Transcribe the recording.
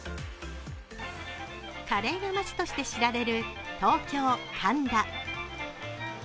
カレーの街として知られる東京・神田。